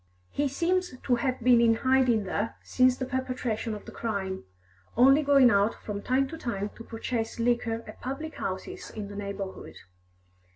He seems to have been in hiding there since the perpetration of the crime, only going out from time to time to purchase liquor at public houses in the neighbourhood.